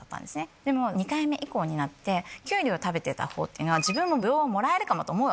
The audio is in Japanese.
でも２回目以降になってきゅうりを食べてたほうっていうのは自分もぶどうもらえるかもと思うわけですよね。